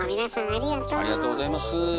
ありがとうございます。